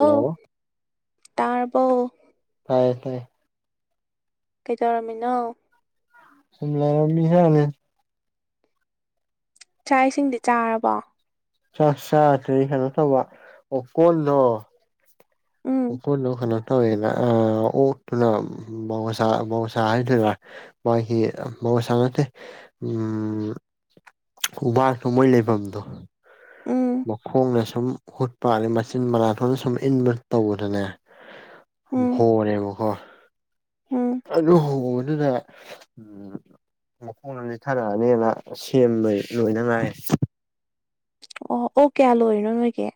Hello ꯇꯔꯔꯕꯥꯎ ꯇ ꯇ ꯀꯩꯗꯧꯔꯝꯃꯤꯅꯣ ꯁꯤꯝꯂ ꯃꯤ ꯍꯦꯂ ꯆꯥꯛ ꯏꯁꯤꯡꯗꯤ ꯆꯥꯔꯕꯣ ꯆ ꯆꯈꯩꯅ ꯁ ꯑꯣ ꯀꯣꯂꯣ ꯎꯝ ꯑꯣꯈꯣꯟꯅꯎ ꯈꯅ ꯇꯧꯋꯦꯅ ꯑꯣꯛꯇꯨꯅꯧꯁ ꯃꯍꯧꯁꯥ ꯍꯥꯏꯗꯨꯅ ꯃꯥꯒꯤ ꯍ ꯁꯥꯡꯉꯠꯇꯦ ꯎꯝ ꯎ ꯋꯥꯇꯣ ꯃꯣꯏ ꯂꯩꯐꯝꯗꯣ ꯎꯝ ꯃꯈꯣꯡꯅ ꯁꯨꯝ ꯍꯨꯠꯄ ꯃꯆꯤꯟ ꯃꯅꯥꯊꯣꯟꯅ ꯁꯨꯝ ꯏꯟꯕ ꯇꯧꯕꯗꯅꯦ ꯎꯝ ꯍꯣꯅꯦꯦꯕ ꯍꯣ ꯎꯝ ꯑ ꯑꯗꯨꯅ ꯎꯝ ꯃꯈꯣꯡ ꯂꯝꯣꯝꯁꯦ ꯊꯥꯔꯛꯑꯅꯤꯅ ꯁꯦꯝꯕꯩ ꯂꯣꯏꯅ ꯉꯥꯏ ꯑꯣ ꯑꯣ ꯀꯌꯥ ꯂꯣꯏꯔꯤꯅꯣ ꯅꯣꯏꯒꯤꯦ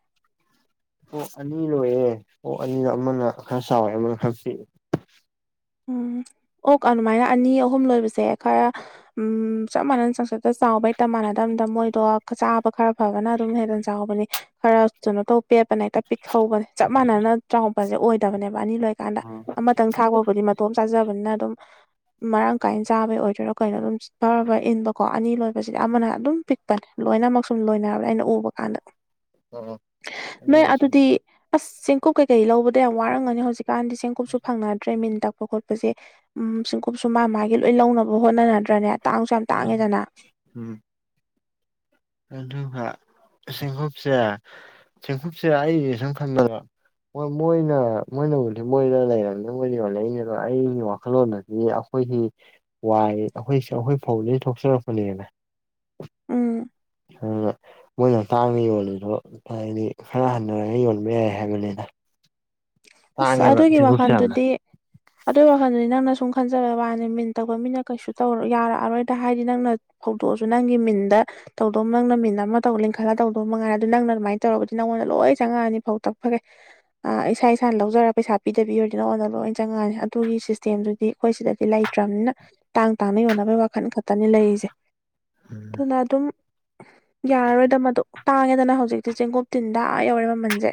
ꯑꯣ ꯑꯅꯤ ꯂꯣꯏꯑꯦ ꯑꯣ ꯑꯅꯤꯗꯣ ꯑꯃꯅ ꯈꯔ ꯆꯥꯎꯋꯦ ꯑꯃꯅ ꯈꯔ ꯄꯤꯑꯦ ꯎꯝ ꯑꯣ ꯑꯗꯨꯃꯥꯏꯅ ꯑꯅꯤ ꯑꯍꯨꯝ ꯂꯣꯏꯕꯁꯦ ꯈꯔ ꯎ ꯆꯞ ꯃꯥꯟꯅꯅ ꯆꯪꯁ ꯆꯥꯎꯕ ꯍꯛꯇ ꯃꯥꯟꯅꯗꯕꯗ ꯃꯣꯏꯗꯣ ꯆꯥꯕ ꯈꯔ ꯐꯕꯅ ꯑꯗꯨꯝ ꯍꯦꯗꯅ ꯆꯥꯎꯕꯅꯤ ꯈꯔ ꯀꯩꯅꯣ ꯇꯧ ꯄꯦꯠꯄꯅ ꯄꯤꯛꯍꯧꯕꯅꯦ ꯆꯞ ꯃꯥꯟꯅꯅ ꯆꯥꯎꯉꯄꯁꯦ ꯑꯣꯏꯗꯕꯅꯦꯕ ꯑꯅꯤ ꯂꯣꯏꯀꯥꯟꯗ ꯎꯝ ꯑꯃꯇꯪ ꯊꯥꯛꯄꯕꯨꯗꯤ ꯣꯝ ꯆꯥꯖꯕꯅꯤꯅ ꯑꯗꯨꯝ ꯃꯔꯥꯡ ꯀꯥꯏꯅ ꯆꯥꯕꯩ ꯑꯣꯏꯗꯣꯏꯔꯣ ꯀꯩꯅꯣ ꯑꯗꯨꯝ ꯐꯔ ꯐꯔ ꯏꯟꯕꯀꯣ ꯑꯅꯤ ꯂꯣꯏꯕꯁꯤꯗꯤ ꯑꯃꯅ ꯑꯗꯨꯝ ꯄꯤꯛꯄꯅꯦ ꯂꯣꯏꯅꯃꯛ ꯁꯨꯝ ꯂꯣꯏꯅꯔꯕ꯭ꯔꯥ ꯑꯩꯅ ꯎꯕ ꯀꯥꯟꯗ ꯑꯣ ꯅꯣꯏ ꯑꯅꯤꯅ ꯑꯗꯨꯗꯤ ꯁꯨꯝꯕꯅꯤ ꯑꯁ ꯆꯦꯡꯀꯨꯞ ꯀꯩꯀꯩ ꯂꯧꯕꯗ ꯌꯥꯝ ꯋꯥꯔꯝꯒꯅꯤ ꯍꯧꯖꯤꯛ ꯀꯀꯥꯟꯗꯤ ꯆꯦꯡꯀꯨꯞꯁꯨ ꯐꯪꯅꯗ꯭ꯔꯦ ꯃꯤꯟ ꯇꯄ ꯈꯣꯠꯄ ꯈꯣꯠꯄꯁꯦ ꯎꯝ ꯁꯤꯡꯀꯨꯞꯁꯨ ꯃꯥ ꯃꯥꯒꯤ ꯂꯣꯏ ꯂꯧꯅꯕ ꯍꯣꯠꯅꯗ꯭ꯔꯅꯦ ꯇꯥꯡꯁꯨ ꯌꯥꯝ ꯎꯝ ꯇꯥꯡꯉꯦꯗꯅ ꯎꯝ ꯑꯗꯨꯒ ꯁꯦꯡꯀꯨꯞꯁꯦ ꯁꯦꯡꯀꯨꯞꯁꯦ ꯑꯩꯁꯦ ꯁꯨꯝ ꯈꯟꯗꯣ ꯍꯣꯏ ꯃꯣꯏꯅ ꯃꯣꯏꯅ ꯎꯁꯤ ꯃꯣꯏꯅ ꯂꯩꯔꯕꯝꯅꯤ ꯃꯣꯏ ꯌꯜꯂꯛꯏꯅꯦꯕ ꯑꯩꯒꯤ ꯋꯥꯈꯜꯂꯣꯟꯗꯗꯤ ꯑꯩꯈꯣꯏꯒꯤ ꯋꯥꯏ ꯑꯩꯈꯣꯏ ꯑꯩꯈꯣꯏ ꯐꯧꯗꯒꯤ ꯊꯣꯛꯆꯔꯛꯄꯅꯦꯅ ꯎꯝ ꯑꯗꯨꯅ ꯃꯣꯏꯅ ꯇꯥꯡꯅ ꯌꯣꯜꯂꯤꯗꯣ ꯍꯥꯏꯗꯤ ꯈꯔ ꯍꯟꯅꯔꯒ ꯌꯣꯟꯕ ꯌꯥꯏ ꯍꯥꯏꯕꯅꯤꯅ ꯑ ꯑꯗꯨꯒꯤ ꯌꯥꯝꯅ ꯋꯥꯈꯥꯟꯗꯨꯗꯤ ꯑꯗꯨ ꯋꯥꯥꯟꯗꯨꯗꯤ ꯅꯪꯅ ꯁꯨꯝ ꯈꯟꯖꯕ ꯋꯥꯅꯤ ꯃꯤꯟ ꯇꯧꯕ ꯃꯤꯅ ꯀꯩꯁꯨ ꯇꯧꯔ ꯌꯥꯔꯛꯑꯔꯣꯏꯗ ꯍꯥꯏꯗꯤ ꯅꯪꯅ ꯐꯧꯗꯣꯛꯑꯁꯨ ꯅꯪꯒꯤ ꯃꯤꯟꯗ ꯇꯧꯗꯧ ꯅꯪꯅ ꯃꯤꯟ ꯑꯃ ꯇꯧ ꯂꯤꯡꯈꯠꯂ ꯇꯧꯗꯧ ꯃꯉꯥꯏꯅ ꯑꯗꯨ ꯅꯪꯅ ꯑꯗꯨꯃꯥꯏꯅ ꯇꯧꯔꯒꯗꯤ ꯅꯉꯣꯟꯗ ꯂꯣꯏ ꯆꯪꯉꯛꯑꯅꯤ ꯐꯧ ꯇ ꯐꯒꯦ ꯑ ꯏꯁꯥ ꯏꯁꯩꯥ ꯂꯧꯖꯔꯒ ꯄꯩꯁꯥ ꯄꯤꯗꯕꯤ ꯑꯣꯏꯔꯗꯅ ꯑꯣꯟꯅ ꯂꯣꯏ ꯆꯪꯉꯛꯅꯤ ꯑꯗꯨꯒꯤ ꯁꯤꯁꯇꯦꯝꯗꯨꯗꯤ ꯑꯩꯈꯣꯏ ꯁꯤꯗꯗꯤ ꯂꯩꯇ꯭ꯔꯕꯅꯤꯅ ꯇꯥꯡ ꯇꯥꯡꯅ ꯌꯣꯟꯅꯕꯩ ꯋꯥꯈꯜ ꯈꯛꯇꯅꯤ ꯂꯩꯔꯤꯁꯦ ꯎꯝ ꯑꯗꯨꯅ ꯑꯗꯨꯝ ꯌꯥꯔꯔꯣꯏꯗ ꯃꯗꯣ ꯇꯥꯡꯉꯦꯗꯅ ꯍꯧꯖꯤꯛꯇꯤ ꯆꯦꯡꯀꯨꯞ ꯇꯤꯟꯗꯥ ꯌꯧꯔꯦ ꯃꯃꯜꯁꯦ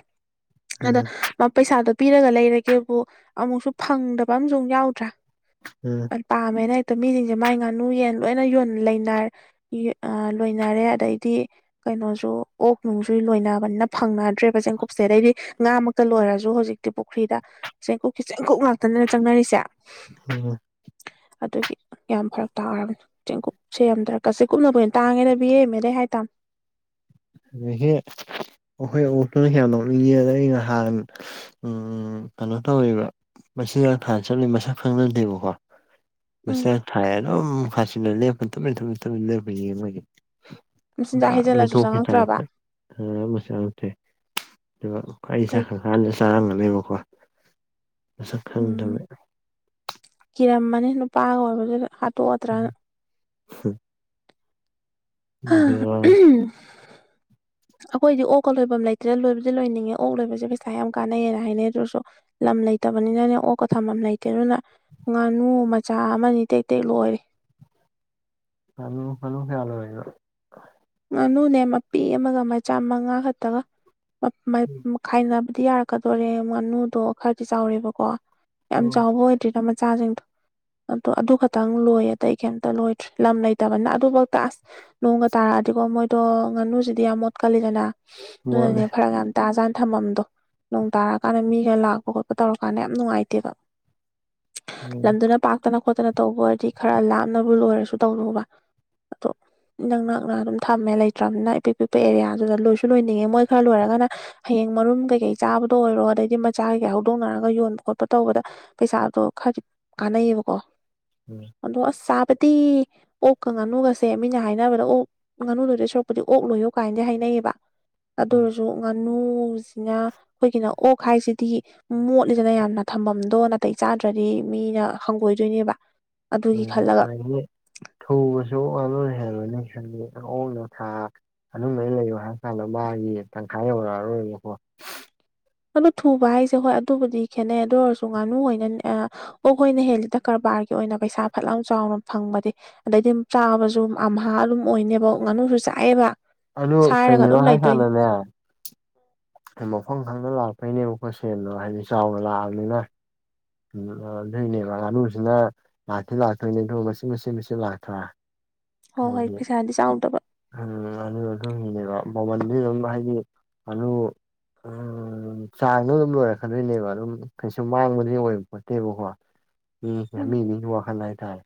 ꯑꯗ ꯎꯝ ꯄꯩꯁꯥꯗꯣ ꯄꯤꯔꯒ ꯂꯩꯔꯒꯦꯕꯨ ꯑꯃꯨꯛꯁꯨ ꯐꯪꯗꯕ ꯑꯝꯨꯨꯛ ꯌꯥꯎꯗ꯭ꯔꯥ ꯎꯝ ꯑ ꯄ ꯃꯅ ꯑ ꯃꯤꯁꯤꯡꯁꯦ ꯃꯥꯏ ꯉꯥꯅꯨ ꯌꯦꯟ ꯂꯣꯏꯅ ꯂꯣꯏꯅꯔꯦ ꯑꯗꯩꯗꯤ ꯀꯩꯅꯣꯁꯨ ꯑꯣꯛ ꯅꯨꯡꯁꯨ ꯂꯣꯏꯅꯕꯅꯤꯅ ꯐꯪꯅꯗ꯭ꯔꯦꯕ ꯆꯦꯡꯀꯨꯞꯁꯦ ꯑꯗꯩꯗꯤ ꯉꯥꯃꯨꯛꯇ ꯂꯣꯏꯔ ꯁꯨ ꯍꯧꯖꯤꯛꯇꯤ ꯄꯨꯈ꯭ꯔꯤꯗ ꯆꯦꯡꯀꯨꯞꯀꯤ ꯆꯦꯡꯀꯨꯞ ꯉꯥꯛꯇꯅ ꯆꯪꯅꯔꯤꯁꯦ ꯍꯝ ꯑꯗꯨꯒꯤ ꯌꯥꯝ ꯐꯔꯛ ꯇꯥꯔꯒꯅꯤ ꯆꯦꯡꯀꯨꯞ ꯁꯦꯝ ꯌꯥꯝꯗ꯭ꯔꯀꯁ ꯀꯨꯞꯅꯅꯕ ꯑꯣꯏꯅ ꯇꯥꯡꯉꯦꯗꯕꯤꯔꯦꯝꯃꯦꯗꯩ ꯍꯥꯏꯇꯥꯥꯃꯣ [unintelligible] ꯍꯍꯦ ꯑꯣꯈꯣꯏ ꯑꯣꯛꯇꯨꯅ ꯍ ꯅꯣꯛꯅꯤꯡꯉꯗ ꯑ ꯅꯍꯥꯟ ꯎ ꯀꯩꯅꯣ ꯇꯧꯔꯤꯕ ꯃꯁꯤ ꯉ ꯊꯥꯅ ꯆꯠꯂꯤ ꯃꯁꯛ ꯈꯪꯅꯗꯦꯕꯀꯣ ꯎꯝ ꯃꯁꯥ ꯊꯥꯏ ꯅꯣ ꯐꯥꯁꯤꯅ ꯂꯦꯞꯄ ꯊ ꯊ ꯊ ꯂ ꯃꯥꯦ ꯁꯤ ꯍꯥꯏꯖꯦꯂꯁꯨ ꯆꯉ ꯐꯁꯦꯦ ꯑꯗꯨꯒ ꯑꯩ ꯁꯥ ꯀꯩ ꯈꯪ ꯀꯥꯟꯗ ꯆꯥꯔꯝꯒꯅꯦꯕꯀꯣ ꯁꯛ ꯎꯝ ꯈꯪꯗꯔꯃꯦ ꯄꯥꯒ ꯑꯣꯏꯕꯗꯨꯗ ꯍꯥꯠꯇꯣꯛꯑꯠꯇ꯭ꯔꯅ ꯎꯝ ꯍꯔ [unintelligible] ꯑꯩꯈꯣꯏꯗꯤ ꯑꯣꯛꯀ ꯂꯣꯏꯐꯝ ꯂꯩꯇ꯭ꯔꯦꯥ ꯂꯣꯏꯕꯗꯤ ꯂꯣꯏꯅꯤꯡꯉꯦ ꯑꯣꯛ ꯂꯣꯏꯕꯁꯦ ꯄꯩꯁꯥ ꯌꯥꯝ ꯀꯥꯟꯅꯩꯌꯦꯅ ꯍꯥꯏꯅꯩ ꯑꯗꯨꯁꯨ ꯂꯝ ꯂꯩ ꯂꯩꯇꯕꯅꯤꯅꯅꯦ ꯑꯣꯛꯀ ꯊꯝ ꯑꯃ ꯂꯩꯇꯦ ꯑꯗꯨꯅ ꯉꯥꯅꯨ ꯃꯆꯥ ꯑꯃꯅꯤ ꯇꯦꯛ ꯇꯦꯛ ꯂꯣꯏꯔꯦ [unintelligible] ꯁꯂꯨ ꯍꯂꯨ ꯈꯌꯥꯜ ꯑꯣꯏꯅ ꯉꯥꯅꯨꯅꯦ ꯃꯄꯤ ꯑꯃꯒ ꯃꯆꯥ ꯃꯉꯥ ꯈꯛꯇꯒ ꯃꯈꯥꯏꯅ ꯗꯤꯌꯥꯔꯛꯀꯗꯣꯔꯦ ꯉꯥꯅꯨꯗꯣ ꯈꯔꯗꯤ ꯆꯥꯎꯔꯦꯕꯀꯣ ꯌꯥꯝ ꯑꯣ ꯆꯥꯎꯕ ꯑꯣꯏꯗ꯭ꯔꯤꯗ ꯃꯥ ꯆꯥꯖꯤꯡꯗꯣ ꯑꯗꯣ ꯑꯗꯨ ꯈꯛꯇꯪ ꯂꯣꯏꯌꯦ ꯑꯇꯩ ꯀꯩꯝꯇ ꯂꯣꯏꯗ꯭ꯔꯦ ꯂꯝ ꯂꯩꯇꯕꯅ ꯑꯗꯨꯕꯥꯎꯇ ꯑꯁ ꯅꯣꯡꯒ ꯇꯥꯔꯛꯑ꯭ꯗ ꯇꯤꯀꯣ ꯃꯣꯏꯗꯣ ꯉꯥꯅꯨꯁꯤꯗꯤ ꯌꯥꯝ ꯃꯣꯠꯀꯜꯂꯤꯗꯅ ꯃꯣꯠꯂꯦ ꯑꯗꯨꯅꯅꯦ ꯐꯔꯛ ꯌꯥꯝ ꯇꯥꯖꯥꯟ ꯊꯥꯃꯝꯗꯣ ꯅꯣꯡ ꯇꯥꯔꯛꯑꯀꯥꯟꯗ ꯃꯤꯒ ꯂꯥꯛꯄ ꯈꯣꯠꯄ ꯇꯧꯔꯀꯥꯟꯗ ꯌꯥꯝ ꯅꯨꯡꯉꯥꯏꯇꯦꯕ ꯎꯝ ꯂꯝꯗꯨꯅ ꯄꯥꯛ ꯇꯅ ꯈꯣꯠꯇꯅ ꯇꯧꯕ ꯑꯣꯏꯔꯗꯤ ꯈꯔ ꯂꯥꯞꯅꯕꯨ ꯂꯣꯏꯔꯁꯨ ꯇꯧꯗꯧꯕ ꯑꯗꯣ ꯏꯅꯛ ꯅꯛꯅ ꯑꯗꯨꯝ ꯊꯝꯃꯦ ꯂꯩꯇ꯭ꯔ꯭ꯝꯅꯤꯅ ꯏꯄꯤꯛ ꯄꯤꯛꯄ ꯑꯦꯔꯤꯌꯥꯗꯨꯗ ꯂꯣꯏꯁꯨ ꯂꯣꯏꯅꯤꯡꯉꯦ ꯃꯣꯏ ꯈꯔ ꯂꯣꯏꯔꯒꯅ ꯍꯌꯦꯡ ꯃꯔꯨꯝ ꯀꯩꯀꯩ ꯆꯥꯕ ꯄꯨꯗꯣꯑꯣꯏꯔꯣ ꯑꯗꯩꯗꯤ ꯃꯆꯥꯒꯤꯒ ꯍꯧꯗꯣꯛꯅꯔꯒ ꯌꯣꯟꯕ ꯈꯣꯠꯄ ꯇꯧꯕꯗ ꯄꯩꯁꯥꯗꯣ ꯈꯔꯗꯤ ꯀꯥꯟꯅꯩꯌꯦꯕꯀꯣ ꯎꯝ ꯑꯗꯣ ꯑꯁ ꯆꯥꯕꯗꯤ ꯑꯣꯛꯀ ꯉꯥꯅꯨꯒꯁꯦ ꯃꯤꯅ ꯍꯥꯏꯅꯕꯗ ꯑꯣꯛ ꯉꯥꯅꯨꯂꯣꯏꯗꯣꯏ ꯁꯔꯨꯄꯨꯗꯤ ꯑꯣꯛ ꯂꯣꯏꯌꯣ ꯀꯥꯏꯅꯗꯤ ꯍꯥꯏꯅꯩꯌꯦꯕ ꯎꯝ ꯑꯗꯨꯑꯣꯔꯁꯨ ꯉꯥꯅꯨ ꯎꯁꯤꯅ ꯑꯩꯈꯣꯏꯒꯤꯅ ꯑꯣꯛ ꯍꯥꯏꯁꯤꯗꯤ ꯃꯣꯠꯂꯤꯗꯅ ꯌꯥꯝꯅ ꯊꯥꯃꯝꯗꯣ ꯅꯥꯇꯩ ꯆꯥꯗ꯭ꯔꯥꯗꯤ ꯃꯤꯅ ꯍꯪꯒꯣꯏꯗꯣꯏꯅꯦꯕ ꯑꯗꯨꯒꯤ ꯎꯝ ꯑ ꯈꯜꯂꯒ ꯏꯅꯦ ꯊꯧꯕꯁꯨ [unintelligible] [unintelligible] ꯃꯥꯒꯤ ꯇꯪꯈꯥꯏ ꯌꯧꯔꯛꯑꯔꯣꯏꯕꯀꯣ [unintelligible] ꯑꯗꯨ ꯊꯨꯕ ꯍꯥꯏꯁꯦ ꯍꯣꯏ ꯑꯗꯨꯕꯨꯗꯤ ꯈꯦꯠꯅꯩ ꯑꯗꯨ ꯑꯣꯏꯔꯁꯨ ꯉꯥꯅꯨ ꯍꯣꯏꯅꯥ ꯑꯦ ꯑꯣꯛ ꯍꯣꯏꯅ ꯍꯦꯜꯂꯤꯗ ꯀ꯭ꯔꯕ꯭ꯥꯔ ꯑꯥꯔꯒꯤ ꯑꯣꯏꯅ ꯄꯩꯁꯥ ꯐꯠꯂ꯭ꯥꯎ꯭ꯟ ꯆꯥꯎꯅ ꯐꯪꯕꯗꯤ ꯑꯗꯩꯗꯤ ꯆꯥꯕꯁꯨ ꯑꯝꯍꯥ ꯑꯗꯨꯝ ꯑꯣꯏꯅꯦꯕ ꯉꯥꯅꯨ ꯆꯥꯏꯌꯦꯕ ꯑꯗꯨ ꯀꯩꯒꯤꯅꯣ ꯍꯥꯏꯀꯥꯟꯗꯥꯅꯦ ꯃꯐꯝ ꯈꯪꯗ ꯂꯥꯛꯄꯩꯅꯦꯕꯀꯣ ꯁꯦꯜꯗꯣ ꯍꯥꯏꯗꯤ ꯆꯥꯎꯅ ꯂꯥꯛꯑꯝꯅꯤꯅ ꯎꯝ ꯑꯗꯨꯏꯅꯦꯕ ꯉꯥꯅꯨꯁꯤꯅ ꯂꯥꯛꯇꯤ ꯂꯥꯛꯇꯣꯏꯅꯦꯗꯨ ꯃꯆꯤꯠ ꯃꯆꯤꯠ ꯃꯆꯤꯠ ꯂꯥꯛꯇ꯭ꯔꯥ ꯍꯣ ꯍꯣꯏ꯭ꯠ ꯍꯥꯏꯗꯤ ꯄꯩꯁꯥꯗꯤ ꯆꯥꯎꯗꯕ ꯎꯝ ꯉꯥꯅꯨ [unintelligible] [unintelligible] ꯃꯜꯗꯤ ꯑꯗꯨꯝ ꯍꯥꯏꯗꯤ ꯉꯥꯅꯨ ꯎꯝ ꯆꯥꯡꯗꯣ ꯑꯗꯨꯝ ꯂꯣꯏꯔꯛꯀꯗꯣꯏꯅꯦꯕ ꯑꯗꯨꯝ ꯀꯩꯁꯨ ꯃꯥꯡꯕꯗꯤ ꯑꯣꯏꯕꯄꯣꯟꯇꯦꯕꯀꯣ ꯎ꯭ꯞꯍ ꯎꯝ ꯃꯤ ꯃꯤꯒꯤ ꯋꯥꯈꯜ ꯍꯥꯏꯇꯥꯔꯦ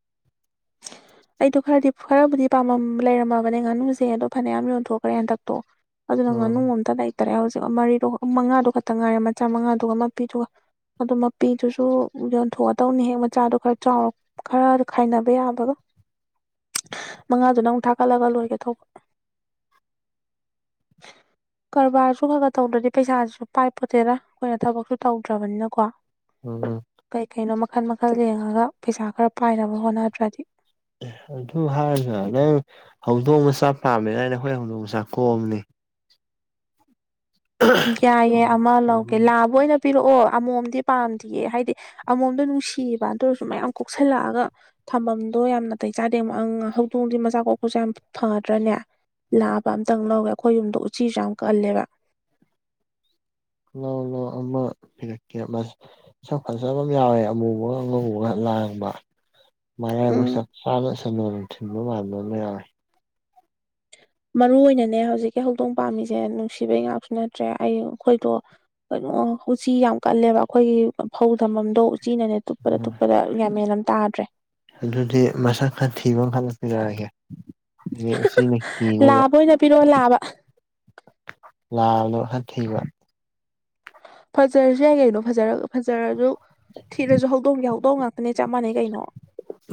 ꯑꯩꯗꯣ ꯈꯔꯗꯤ ꯐ ꯈꯔꯕꯨꯗꯤ ꯄꯥꯝꯃꯝ ꯂꯩꯔꯝꯃꯕꯅꯦ ꯉꯥꯅꯨꯁꯦ ꯑꯗꯣ ꯐꯅꯌꯥꯝ ꯌꯣꯟꯊꯣꯛꯈ꯭ꯔꯦ ꯍꯟꯗꯛꯇꯣ ꯑꯗꯨꯅ ꯉꯥꯅꯨ ꯎꯝ ꯑꯃꯝꯇ ꯂꯩꯇꯔꯦ ꯍꯧꯖꯤꯛ ꯃꯔꯤꯗꯣ ꯃꯉꯥꯗꯨ ꯈꯛꯇ ꯉꯥꯏꯔꯦ ꯃꯆꯥ ꯃꯉꯥꯗꯨꯒ ꯃꯄꯤꯗꯨꯒ ꯑꯗꯨ ꯃꯄꯤꯗꯨꯁꯨ ꯌꯣꯟꯊꯣꯛꯑꯗꯧꯅꯤ ꯍꯦꯛ ꯃꯆꯥꯗꯣ ꯈꯔ ꯆꯥꯎꯔꯛ ꯈꯔ ꯈꯥꯏꯅꯕ ꯌꯥꯕꯒ ꯃꯉꯥꯗꯨꯅ ꯑꯃꯨꯛ ꯊꯥꯀꯠꯂꯒ ꯂꯣꯏꯒꯦ ꯇꯩꯕ [unintelligible] ꯀꯔꯕꯥꯔꯁꯨ ꯈꯔ ꯈꯔ ꯇꯧꯗ꯭ꯔꯗꯤ ꯄꯩꯁꯥꯁꯤꯁꯨ ꯄꯥꯏꯄꯣꯠꯇꯦꯗ ꯑꯩꯈꯣꯏꯅ ꯊꯕꯛꯁꯨ ꯇꯧꯗ꯭ꯔꯕꯅꯤꯅꯀꯣ ꯎꯝ ꯀꯩ ꯀꯩꯅꯣ ꯃꯈꯜ ꯃꯈꯜ ꯌꯦꯡꯉꯒ ꯄꯩꯁꯥ ꯈꯔ ꯄꯥꯏꯅꯕ ꯍꯣꯠꯅꯗ꯭ꯔꯗꯤ ꯑꯦ ꯑꯗꯨ ꯍꯥꯏꯔꯒ ꯅꯪ ꯍꯧꯗꯣꯡ ꯃꯆꯥ ꯄꯥꯝꯃꯦꯅ ꯑꯩꯅ ꯑꯩꯈꯣꯏ ꯍꯧꯗꯣꯡ ꯃꯆꯥ ꯀꯣꯛꯑꯝꯅꯤ ꯌꯥꯏꯌꯦ ꯑꯃ ꯂꯧꯒꯦ ꯍꯧꯗꯣꯡ ꯂꯥꯕꯥ ꯑꯣꯏꯅ ꯄꯤꯔꯛꯑꯣ ꯑꯃꯣꯝꯗꯤ ꯄꯥꯝꯗꯤꯌꯦ ꯍꯥꯏꯗꯤ ꯑꯃꯣꯝꯗꯣ ꯅꯨꯡꯁꯤꯌꯦꯕ ꯑꯗꯨꯑꯣꯏꯔꯁꯨ ꯃꯌꯥꯝ ꯀꯣꯛꯁꯜꯂꯛꯑꯒ ꯊꯝꯕꯝꯗꯣ ꯌꯥꯝ ꯅꯥꯇꯩ ꯆꯥꯗꯦ ꯑꯃꯛ ꯑꯪ ꯍꯧꯗꯣꯡꯗꯤ ꯃꯆꯥ ꯀꯣꯛꯄꯁꯨ ꯌꯥꯝ ꯐꯗ꯭ꯔꯅꯦ ꯂꯥꯕ ꯑꯝꯇꯪ ꯂꯧꯒꯦ ꯑꯩꯈꯣꯏ ꯌꯨꯝꯗꯣ ꯎꯆꯤꯁꯨ ꯌꯥꯝ ꯀꯜꯂꯦꯕ ꯂꯥꯎ-ꯂꯥꯎ ꯑꯃ ꯄꯤꯔꯛꯀꯦ [unintelligible] ꯁꯛ ꯐꯖꯕ ꯑꯃ ꯌꯥꯎꯋꯦ ꯑꯃꯨꯕꯒ ꯑꯉꯧꯕꯒ ꯄꯥꯡꯕ [inaudible] ꯃꯔꯥꯏꯕꯛ ꯆꯞ ꯆꯥꯅ ꯁꯗꯣꯟ ꯊꯤꯟꯕ ꯃꯥꯟꯕꯃ ꯌꯥꯎꯌꯦ ꯃꯔꯨ ꯑꯣꯏꯅꯅꯦ ꯍꯧꯖꯤꯛꯀꯤ ꯍꯧꯗꯣꯡ ꯄꯥꯝꯃꯤꯁꯦ ꯅꯨꯡꯁꯤꯕꯩ ꯉꯥꯛꯁꯨ ꯅꯠꯇ꯭ꯔꯦ ꯑꯩ ꯑꯩꯈꯣꯏꯗꯣ ꯑꯣ ꯎꯆꯤ ꯌꯥꯝ ꯀꯜꯂꯦꯕ ꯑꯩꯈꯣꯏꯒꯤ ꯐꯧ ꯊꯝꯃꯝꯗꯣ [unintelligible] ꯆꯤꯅꯅꯦ ꯇꯨꯞꯄꯗ ꯇꯨꯞꯄꯗ ꯌꯥꯟꯃꯦꯟ ꯑꯃ ꯇꯥꯗ꯭ꯔꯦ ꯑꯗꯨꯗꯤ ꯃꯁꯛ ꯈꯔ ꯊꯤꯕ [unintelligible] ꯎꯆꯤꯅ ꯀꯤꯅꯕ ꯂꯥꯕ ꯑꯣꯏꯅ ꯄꯤꯔꯛꯑꯣ ꯂꯥꯕ ꯂ꯭ꯥꯕꯗꯣ ꯍꯟ [unintelligible] ꯐꯖꯔꯁꯨ ꯌꯥꯏ ꯀꯩꯅꯣ ꯐꯖꯔ ꯐꯖꯔꯁꯨ ꯊꯤꯔꯁꯨ ꯍꯧꯗꯣꯡꯒꯤ ꯍꯧꯗꯣꯡ ꯉꯥꯛ ꯅꯦ ꯆꯞ ꯃꯥꯟꯅꯩ ꯀꯩꯅꯣ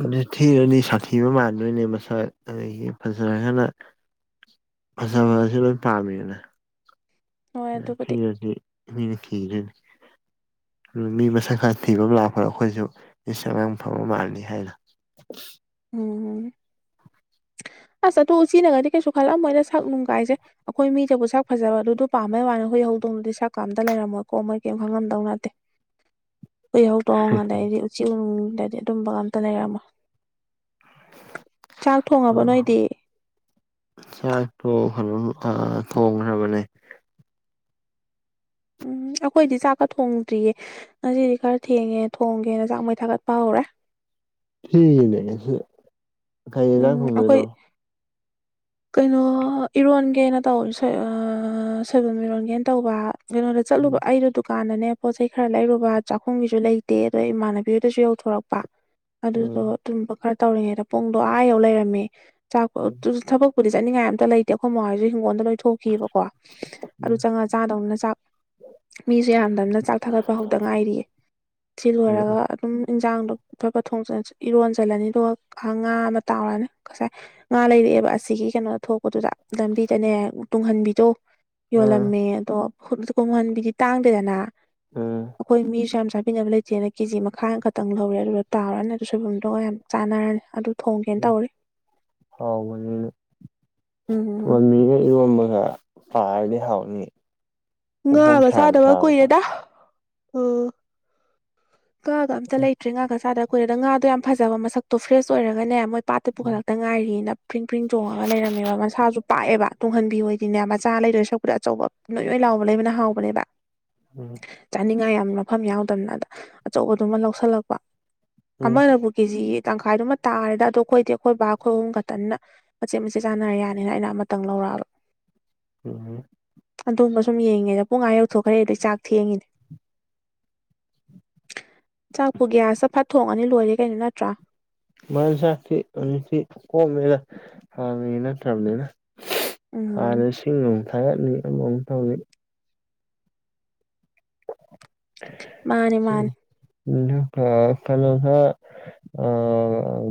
ꯑꯗꯨ ꯊꯤꯔꯅꯤ ꯁꯥꯊꯤꯕ ꯃꯥꯟꯗꯣꯏꯅꯦ ꯃꯁꯛ ꯑꯗꯒꯤ ꯐꯖꯔꯒꯅ ꯐꯖꯕ ꯑꯁꯤ ꯂꯣꯏ ꯄꯥꯝꯃꯤꯗꯅ ꯍꯣꯏ ꯑꯗꯨꯕꯨꯗꯤ ꯊꯤꯔꯗꯤ ꯃꯤꯅ ꯀꯤꯅꯤꯅ ꯃꯤ ꯃꯁꯛ ꯈꯔ ꯊꯤꯕ ꯑꯃ ꯂꯥꯛꯄꯗ ꯑꯩꯈꯣꯏꯁꯨ ꯏꯁ ꯑꯉꯥꯡ ꯐꯥꯕ ꯃꯥꯜꯂꯤ ꯍꯥꯏꯅ [inaudible] ꯑꯝ ꯑꯁ ꯑꯗꯨ ꯎꯆꯤꯅꯒꯗꯤ ꯀꯩꯁꯨ ꯈꯜꯂꯝ ꯃꯣꯏꯅ ꯁꯛ ꯅꯨꯡꯒꯥꯏꯁꯦ ꯑꯩꯈꯣꯏ ꯃꯤꯗꯕꯨ ꯁꯛ ꯐꯖꯕ ꯑꯗꯨ ꯑꯗꯨ ꯄꯥꯝꯕꯩ ꯋꯥꯅꯤ ꯍꯨꯏ ꯍꯧꯗꯣꯡ ꯍꯧꯗꯣꯡꯗꯨꯗꯤ ꯁꯛꯀꯥꯝꯇ ꯂꯩꯔꯝꯃꯣꯏꯀꯣ ꯃꯣꯏ ꯀꯔꯤꯝ ꯈꯪꯉꯝꯗꯧ ꯅꯠꯇꯦ ꯎꯏ ꯍꯧꯗꯣꯡ ꯑꯗꯩꯗꯤ ꯎꯆꯤ ꯎꯅꯨꯡꯗꯗꯤ ꯑꯗꯨꯝꯕ ꯉ ꯑꯝꯇ ꯂꯩꯔꯝꯃꯣ [unintelligible] ꯅꯣꯏꯗꯤ ꯆꯥꯏ ꯇꯣ [unintelligible] ꯊꯣꯡꯈ꯭ꯔꯕꯅꯦ ꯎꯝ ꯑꯩꯈꯣꯏꯗꯤ ꯆꯥꯛꯀ ꯊꯣꯡꯗ꯭ꯔꯤꯌꯦ ꯉꯁꯤꯗꯤ ꯈꯔ ꯊꯦꯡꯉꯦ ꯊꯣꯡꯒꯦꯅ ꯆꯥꯛ ꯃꯩ ꯊꯥꯒꯠꯄ ꯍꯧꯔꯦ [inaudible] [unintelligible] ꯀꯩ ꯏꯟꯁꯥꯡ ꯎꯝ ꯑꯩꯈꯣꯏ ꯊꯣꯡꯗꯣꯏꯅꯣ? [inaudible] ꯀꯩꯅꯣ ꯏꯔꯣꯟꯒꯦꯅ ꯇꯧꯔꯤ ꯁꯣꯏꯕꯨꯝ ꯏꯔꯣꯟꯒꯦꯅ ꯇꯧꯕ ꯀꯩꯅꯣꯗ ꯆꯠꯂꯨꯕ ꯑꯩꯩꯗꯨ ꯀꯥꯟꯅꯅꯦ ꯄꯣꯠ ꯆꯩ ꯈꯔ ꯂꯩꯔꯨꯕ ꯆꯥꯛꯈꯨꯝꯒꯤꯁꯨ ꯂꯩꯇꯦ ꯑꯗꯣ ꯏꯃꯥꯟꯅꯕꯤꯗꯨꯗꯁꯨ ꯌꯧꯊꯣꯔꯛꯄ ꯑꯗꯨꯗꯣ ꯎꯝ ꯑꯗꯨꯝꯕ ꯈꯔ ꯇꯧꯔꯤꯉꯩꯗ ꯄꯨꯡꯗꯣ ꯑꯥ ꯌꯧ ꯂꯩꯔꯝꯃꯦ ꯆꯥꯛ ꯎꯝ [unintelligible] ꯊꯕꯛ ꯗꯤ ꯆꯠꯅꯤꯡꯉꯥꯏ ꯑꯝꯇ ꯂꯩꯇꯦ ꯑꯩꯈꯣꯏ ꯃꯥ ꯍꯣꯏꯁꯨ ꯍꯤꯡꯒꯣꯟꯗ ꯊꯣꯛꯈꯤꯕꯀꯣ ꯑꯗꯨ ꯎꯝ ꯆꯪꯉꯥ ꯆꯥꯗꯧꯅꯤꯅ ꯆꯥꯛ ꯃꯤꯁꯨ ꯌꯥꯝꯗꯕꯅ ꯆꯥꯛ ꯊꯥꯒꯠꯄ ꯍꯧꯗ ꯉꯥꯏꯔꯤꯌꯦ ꯁꯤ ꯂꯣꯏꯔꯒ ꯎꯝ ꯑꯗꯨꯝ ꯏꯟꯁꯥꯡꯗꯣ ꯐꯠ ꯐꯠ ꯊꯣꯡ ꯏꯔꯣꯟꯖꯜꯂꯅꯤ ꯑꯗꯨꯒ ꯉꯥ ꯑꯃ ꯇꯥꯎꯔꯅꯤ ꯉꯁꯥꯏ ꯉꯥ ꯂꯩꯔꯛꯑꯦꯕ ꯑꯁꯤꯒꯤ ꯀꯩꯅꯣꯗ ꯊꯣꯛꯄꯗꯨꯗ ꯂꯝꯕꯤꯗꯅꯦ ꯇꯨꯡꯍꯟ ꯕꯤꯗꯣ ꯎꯝ ꯌꯣꯜꯂꯝꯃꯦ ꯑꯗꯣ ꯇꯨꯡꯍꯟꯕꯤꯗꯤ ꯇꯥꯡꯗꯦꯗꯅ ꯎꯝ ꯑꯩꯈꯣꯏ ꯃꯤꯁꯨ ꯌꯥꯝ ꯆꯥꯕꯤꯅꯕ ꯂꯩꯇꯦꯅ ꯀꯦꯖꯤ ꯃꯈꯥꯏ ꯈꯛꯇꯪ ꯂꯧꯔꯦ ꯑꯗꯨꯒ ꯇꯥꯎꯔꯅꯤ ꯑꯗꯨ ꯁꯣꯏꯕꯨꯝꯗꯣꯒ ꯌꯥꯝ ꯆꯥꯟꯅꯔꯅꯤ ꯑꯗꯨ ꯊꯣꯡꯒꯦꯅ ꯎ ꯇꯧꯔꯤ ꯍꯥꯎꯕꯅꯤꯅꯦ ꯎꯝ ꯇꯨꯡꯍꯟꯕꯤꯒ ꯏꯔꯣꯝꯕꯒ ꯄꯥꯔꯗꯤ ꯍꯥꯎꯅꯤ ꯐꯣꯡ ꯐꯣꯡ ꯉꯥꯒ ꯁꯥꯅ ꯆꯥꯗꯕ ꯁꯥꯕꯗꯣ ꯀꯨꯏꯔꯦꯗ ꯑꯣ ꯉꯥꯒ ꯑꯝꯇ ꯂꯩꯇ꯭ꯔꯦ ꯉꯥꯒ ꯆꯥꯗ ꯑꯩꯈꯣꯏꯗ ꯉꯥꯗꯣ ꯌꯥꯝꯅ ꯐꯖꯕ ꯃꯁꯛꯇꯣ ꯐ꯭ꯔꯦꯁ ꯑꯣꯏꯔꯒꯅꯦ ꯃꯣꯏ ꯄꯥꯠꯇ ꯄꯨꯈꯠꯂꯛꯇ ꯉꯥꯏꯔꯤꯅ ꯄ꯭ꯔꯤꯡ ꯄ꯭ꯔꯤꯡ ꯆꯣꯡꯉꯒ ꯂꯩꯔꯝꯃꯦꯕ ꯃꯁꯥꯁꯨ ꯄꯥꯛꯑꯦꯕ ꯇꯨꯡꯍꯟꯕꯤꯕ ꯑꯣꯏꯣꯏꯗꯤꯅꯦ ꯃꯆꯥ ꯂꯩꯗꯣꯏ ꯁꯛꯄꯗ ꯑꯆꯧꯕ ꯅꯣꯏ ꯅꯣꯏ ꯍꯥꯎꯕꯅꯦꯕꯅ ꯍꯥꯎꯕꯅꯦꯕ ꯎꯝ ꯑ ꯅꯤꯡꯉꯥꯏ ꯌꯥꯝ ꯃꯐꯝ ꯌꯥꯎꯗꯕꯅ ꯑꯗ ꯑꯆꯧꯕꯗꯨꯃ ꯂꯧꯁꯤꯜꯂꯛꯄ ꯎꯝ ꯑꯃꯅꯕꯨ ꯀꯦꯖꯤ ꯇꯪꯈꯥꯏꯗꯨꯃ ꯇꯥꯔꯦꯗ ꯑꯗꯣ ꯑꯩꯈꯣꯏꯗꯤ ꯑꯩꯈ ꯕꯥ ꯑꯩꯈꯣꯏ ꯑꯍꯨꯝ ꯈꯛꯇꯅ ꯃꯆꯦꯠ ꯃꯆꯦꯠ ꯆꯥꯅꯔ ꯌꯥꯅꯤꯅ ꯑꯩꯅ ꯑꯃꯇꯪ ꯂꯧꯔꯛꯑꯕ [inaudible] ꯎꯝ ꯑꯗꯨꯝꯕ ꯁꯨꯝ ꯌꯦꯡꯉꯦꯗ ꯄꯨꯡ ꯑꯥ ꯌꯧꯊꯣꯛꯈ꯭ꯔꯦ ꯑꯗꯨꯏ ꯆꯥꯛ ꯊꯦꯡꯉꯤꯅꯦ ꯆꯥꯛꯄꯨ ꯒ꯭ꯌꯥꯁ ꯐꯠ ꯊꯣꯡꯉꯅꯤ ꯂꯣꯏꯔꯦ ꯀꯩꯅꯣ ꯅꯠꯇ꯭ꯔꯥ [unintelligible] ꯅꯠꯇ꯭ꯔꯕꯅꯤꯅ ꯍꯥꯟꯅ ꯎꯝ ꯁꯤꯡ ꯑꯃꯨꯛ ꯊꯥꯒꯠꯀꯅꯤ ꯑꯃ ꯑꯃꯨꯛ ꯇꯧꯅꯤ ꯃꯥꯅꯦ ꯃꯥꯅꯤ ꯑꯗꯨꯒ ꯀꯩꯅꯣꯗ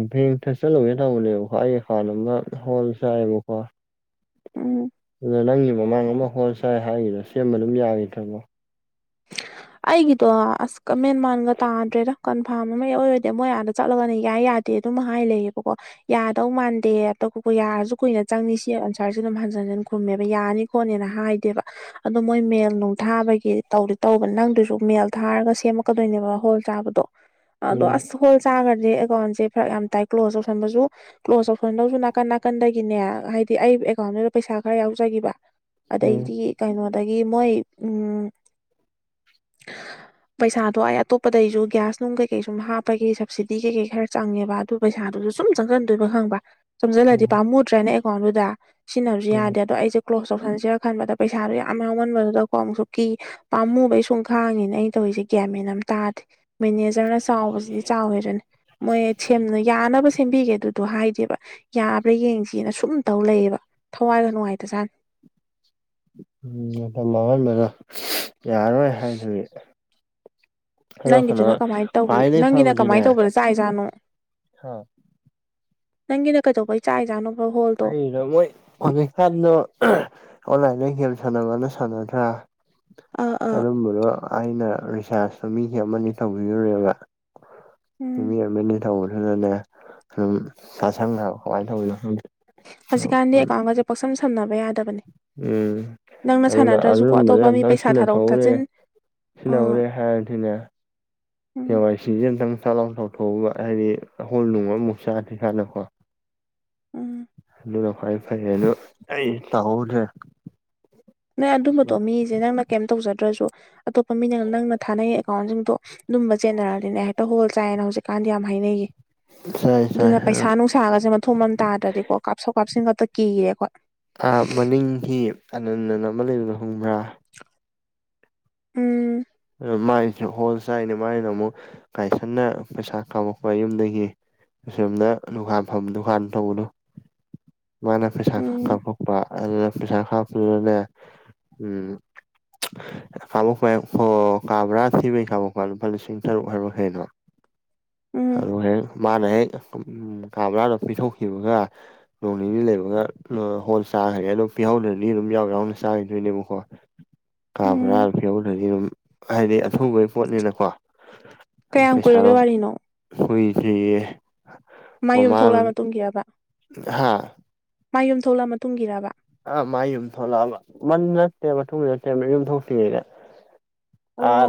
ꯕꯦꯀ꯭ꯇꯇ ꯆꯠꯂꯨꯒꯦ ꯇꯧꯕꯅꯦꯕ [unintelligible] ꯍꯣꯜ ꯆꯥꯏꯑꯕꯀꯣ ꯎꯝ ꯑꯗꯨꯗ ꯅꯪꯒꯤ ꯃꯃꯥꯡ ꯑꯃ ꯍꯣꯜꯁꯥꯏ ꯍꯥꯏꯔꯤꯗꯣ ꯁꯦꯝꯕ ꯑꯗꯨꯝ ꯌꯥꯈꯤꯗ꯭ꯔꯕꯣ [unintelligible] ꯑꯩꯒꯤꯗꯣ ꯑꯁꯀ ꯃꯦꯟꯃꯥꯟꯒ ꯇꯥꯗ꯭ꯔꯦꯗ ꯀꯟꯐꯥꯔꯝ ꯑꯃ ꯑꯣꯏꯔꯗꯤ ꯃꯣꯏ ꯑꯥꯗ ꯆꯠꯂꯒꯅꯦ ꯌꯥꯏ ꯌꯥꯗꯦ ꯑꯗꯨꯝ ꯍꯥꯏ ꯂꯩꯌꯦꯕꯀꯣ ꯌꯥꯗꯧ ꯃꯥꯟꯗꯦ ꯑ ꯌꯥꯔꯁꯨ ꯀꯨꯏꯅ ꯆꯪꯅꯤ ꯁꯤ ꯑꯟꯁꯥꯔꯁꯤ ꯑꯗꯨꯝ ꯍ ꯈꯨꯝꯕ ꯌꯥꯅꯤ ꯈꯣꯠꯅꯤꯅ ꯍꯥꯏꯗꯦꯕ ꯑꯣ ꯃꯣꯏ ꯃꯦꯜ ꯅꯨꯡꯊꯥꯕꯒꯤ ꯇ ꯇꯧꯕꯅꯤ ꯅꯪꯗꯨꯁꯨ ꯃꯦꯜ ꯊꯥꯔꯒ ꯁꯦꯝꯃꯛꯀꯗꯣꯏꯅꯦꯕ ꯍꯣꯜ ꯆꯥꯕꯗꯣ ꯑꯗꯣ ꯎꯝ ꯑꯁ ꯍꯣꯜ ꯆꯥꯈ꯭ꯔꯗꯤ ꯑꯦꯀꯥꯎꯟꯁꯦ ꯐꯔꯛ ꯌꯥꯝꯅ ꯇꯥꯏ ꯀ꯭ꯂꯣꯖ ꯇꯧꯁꯟꯕꯁꯨ ꯀ꯭ꯂꯣꯖ ꯇꯧꯁꯟꯗꯧꯁꯨ ꯅꯥꯀꯟ ꯅꯥꯀꯟꯗꯒꯤꯅꯦ ꯍꯥꯏꯗꯤ ꯑꯩ ꯑꯦꯀꯥꯎꯟꯗꯨꯗ ꯄꯩꯁꯥ ꯈꯔ ꯌꯥꯎꯖꯈꯤꯕ ꯎꯝ ꯑꯗꯩꯗꯤ ꯀꯩꯅꯣꯗꯒꯤ ꯃꯣꯏ ꯎꯝ ꯄꯩꯁꯥꯗꯣ ꯑꯩ ꯑꯇꯣꯞꯄꯗꯩꯁꯨ ꯒ꯭ꯌꯥꯁꯅꯨꯡ ꯀꯩ ꯀꯩ ꯁꯨꯝ ꯍꯥꯞꯄꯒꯤ ꯁꯞꯕꯁꯤꯗꯤ ꯀꯩ ꯀꯩ ꯈꯔ ꯆꯪꯉꯦꯕ ꯑꯗꯨ ꯄꯩꯁꯥꯗꯨꯁꯨ ꯁꯨꯝ ꯆꯪꯒꯟꯗꯣꯏꯕ ꯈꯪꯕ ꯆꯣꯝꯁꯤꯜꯂꯗꯤ ꯎꯝ ꯄꯥꯝꯃꯨꯗ꯭ꯔꯦꯅꯦ ꯑꯦꯀꯥꯎꯟꯗꯨꯗ ꯁꯤꯖꯤꯟꯅꯕꯁꯨ ꯎꯝ ꯌꯥꯗꯦ ꯑꯗꯣ ꯑꯩꯁꯦ ꯀ꯭ꯂꯣꯁ ꯇꯧꯁꯟꯁꯤꯔꯥ ꯈꯟꯕꯗ ꯄꯩꯁꯥꯗꯨꯣ ꯌꯥꯝ ꯌꯥꯎꯃꯟꯕꯗꯨꯗꯀꯣ ꯑꯃꯨꯛꯁꯨ ꯀꯤ ꯄꯥꯝꯃꯨꯕꯩ ꯁꯨꯝ ꯈꯥꯡꯉꯤꯅꯦ ꯑꯩꯩꯅ ꯇꯧꯔꯤꯁꯦ ꯒ꯭ꯌꯥꯃꯦꯟ ꯑꯃ ꯇꯥꯗꯦ ꯃꯦꯅꯦꯖꯔꯅ ꯆꯥꯎꯕꯁꯤꯗꯤ ꯆꯥꯎꯋꯦꯔꯅꯤ ꯃꯣꯏ ꯁꯦꯝꯅ ꯌꯥꯅꯕ ꯁꯦꯝꯕꯤꯒꯦ ꯑꯗꯨꯗꯣ ꯍꯥꯏꯗꯦꯕ ꯌꯥꯕ꯭ꯔꯥ ꯌꯦꯡꯁꯤꯅ ꯁꯨꯝꯇꯧ ꯂꯩꯌꯦꯕ ꯊꯋꯥꯏꯒ ꯅꯨꯡꯉꯥꯏꯇꯖꯥꯠꯅꯤ [inaudible] ꯎꯝ ꯃꯇꯝ ꯃꯥꯡꯍꯟꯕꯗꯣ ꯌꯥꯔꯣꯏ ꯍꯥꯏꯗꯨꯒꯤ ꯑꯗꯣ ꯀꯩꯅꯣ ꯅꯪꯒꯤꯗꯨꯅ ꯀꯃꯥꯏꯅ ꯇꯧ ꯈ꯭ꯋꯥꯏꯗꯒꯤ ꯅꯪꯒꯤꯅ ꯀꯃꯥꯏꯅ ꯇꯧꯕꯗ ꯆꯥꯛꯖꯥꯠꯅꯣ ꯍꯥꯥ ꯅꯪꯒꯤꯅꯦ ꯀꯩꯗꯧꯕꯩ ꯆꯥꯏ ꯆꯥꯅꯣ ꯑꯩꯅ ꯃꯣꯏ ꯑꯣꯅꯤ ꯁꯥꯟꯅ ꯑꯣꯟꯂꯥꯏꯟꯗ ꯒꯦꯝ ꯁꯥꯟꯅꯕꯅ ꯁꯥꯟꯅꯗ꯭ꯔꯥ ꯑꯥ ꯑꯥ ꯑꯗꯨꯝꯕꯗꯣ ꯑꯩꯅ ꯔꯤꯆꯥꯥꯔꯁꯇꯣ ꯃꯤꯁꯦ ꯑꯃꯅꯤ ꯇꯧꯕꯤꯔꯨꯔꯦꯕ ꯎꯝ ꯃꯤ ꯑꯃꯅꯤ ꯇꯧꯕꯅꯦ ꯑꯗꯨꯅꯅꯦ ꯑꯗꯨꯝ ꯁꯥ ꯁꯪꯗꯕ ꯀꯃꯥꯏꯅ ꯇꯧꯋꯤꯅꯣ ꯈꯪꯗꯦ ꯍꯧꯖꯤꯛꯀꯥꯟꯗꯤ ꯑꯦꯀꯥꯎꯟꯒꯁꯦ ꯄꯥꯛꯁꯝ ꯁꯝꯅꯕ ꯌꯥꯗꯦ ꯎꯝ ꯑꯗꯨꯅ ꯁꯥꯟꯅꯗ꯭ꯔꯁꯨꯀꯣ ꯑꯔꯨꯝꯕꯅ ꯑꯇꯣꯞꯄ ꯌꯥꯝ ꯃꯤ ꯄꯩꯁꯥ ꯇꯪꯁꯤꯟꯅ ꯊꯥꯗꯣꯛ ꯊꯣꯛꯎꯔꯦ ꯊꯥꯖꯤꯟ ꯁꯤꯅꯎ ꯑꯥ ꯔꯦ ꯍ ꯊꯅꯦ ꯎꯝ ꯊꯦꯋꯥꯥꯏ ꯁꯤꯁꯤꯡꯖ ꯊꯥꯡ ꯆꯥ ꯊꯧ ꯐ ꯍꯥꯏꯗꯤ ꯍꯣꯜ ꯅꯨꯡꯃ ꯑꯃꯨꯛ ꯆꯥꯗ꯭ꯦ ꯍꯥꯟꯅꯀꯣ ꯎꯝ ꯑꯗꯨ ꯐ ꯐꯩ ꯑꯗꯨꯂꯣ ꯑꯩ ꯇꯥꯛꯍꯧꯅꯦ꯭ꯔꯦ ꯅꯪ ꯑꯗꯨꯝꯕꯗꯣ ꯃꯤꯁꯦ ꯅꯪꯅ ꯀꯩꯝ ꯇꯧꯖꯗ꯭ꯔꯁꯨ ꯑꯇꯣꯞꯄ ꯃꯤꯅꯪ ꯅꯪꯅ ꯊꯥꯅꯩ ꯑꯦꯀꯥꯎꯟꯁꯤꯡꯗꯣ ꯂꯨꯝꯕ ꯆꯦꯟꯅꯔꯛꯗꯤꯅꯦ ꯍꯦꯛꯇ ꯍꯣꯜ ꯆꯥꯏꯌꯦꯅ ꯍꯧꯖꯤꯛꯀꯥꯟꯗꯤ ꯌꯥꯝ ꯍꯥꯏꯅꯩꯌꯦ ꯆꯥꯏ ꯆꯥꯏ ꯑꯗꯨꯅ ꯄꯩꯁꯥ ꯅꯨꯡꯁꯥꯒꯁꯦ ꯃꯊꯣꯡ ꯃꯟ ꯇꯥꯗ꯭ꯔꯗꯤꯀꯣ ꯀꯥꯞꯁꯣꯛ ꯀꯥꯞꯁꯤꯟ ꯈꯛꯇ ꯀꯤꯔꯦꯀꯣ ꯑ ꯃꯅꯤꯡ ꯍꯤ ꯑꯅꯟꯗꯟ ꯑꯃ ꯂꯩꯕꯅꯣ ꯍꯣꯡꯕ꯭ꯔꯥ ꯎꯝ ꯃꯥꯏꯁꯨ ꯍꯣꯜ ꯆꯥꯏꯅꯤ ꯃꯥꯏꯅ ꯑꯃꯨꯛ ꯀꯥꯏꯁꯟꯅ ꯄꯩꯁꯥ ꯀꯥꯝꯃꯛꯄ ꯌꯨꯝꯗꯒꯤ ꯑꯁꯣꯝꯅ ꯗꯨꯥꯟ ꯐ ꯗꯨꯀꯥꯟ ꯊꯧꯕꯅꯣ [inaudible] [unintelligible] ꯃꯥꯅ ꯐꯤꯁꯥ ꯎꯝ ꯈꯞꯇꫭꯛꯄ ꯑꯗꯨꯗ ꯄꯩꯁꯥ ꯍꯥꯞꯄꯗꯨꯅꯦ ꯎꯝ ꯍꯜꯂꯦꯐ꯭ꯔꯦꯝ ꯑꯣ ꯀꯥꯕ꯭ꯔꯥ ꯊꯤꯕꯩ ꯀꯥꯞꯄꯛꯄ ꯂꯨꯄꯥ ꯂꯤꯁꯤꯡ ꯇꯔꯨꯛ ꯍꯥꯏꯕ ꯀꯩꯅꯣ ꯎꯝ ꯑꯂꯨꯍꯦꯟ ꯃꯥꯅ ꯍꯦꯛ ꯀꯥ ꯕꯔꯥꯗꫭ ꯄꯤꯊꯣꯛꯈꯤꯕꯒ ꯅꯣꯡ ꯅꯤꯅꯤ ꯂꯩꯕꯒ ꯄ꯭ꯂꫭꯈꫭꯜ ꯇꯥꯒꯔꯦ ꯑꯗꯨ ꯄꯤꯍꯧꯗ ꯃꯤꯗꯨꯝ ꯌꯥꯎ ꯌꯥꯎꯅ ꯆꯥꯏꯗꯣꯏꯅꯦꯕꯀꯣ ꯀꯥꯕ꯭ꯔꯥ ꯎꯝ ꯊꯤ ꯑꯗꯗꯤ ꯗꯨꯝ ꯍꯥꯏꯗꯤ ꯑꯊꯨꯕꯩ ꯄꯣꯠꯅꯤꯅꯀꯣ ꯀꯌꯥꯝ ꯄꯩꯁꯥꯔꯣ ꯀꯨꯏꯔꯕꯩ ꯋꯥꯔꯤꯅꯣ ꯀꯨꯏꯗꯔꯤꯌꯦ ꯃꯥꯏ ꯌꯨꯝ ꯊꯣꯛꯂꯛꯑ ꯃꯇꯨꯡꯒꯤꯔꯕ ꯍꯥ ꯃꯥꯏ ꯌꯨꯝ ꯊꯣꯛꯂꯛꯑ ꯃꯇꯨꯡꯒꯤꯔꯕ ꯑꯥ ꯃꯥꯏ ꯌꯨꯝ ꯊꯣꯛꯂꯛꯑꯕ ꯃꯟ ꯅꯠꯇꯦꯕ ꯃꯇꯨꯡ ꯅꯠꯇꯦ ꯌꯨꯝ ꯊꯣꯛꯇ꯭ꯔꯤꯉꯩꯗ ꯑꯣ ꯑꯥ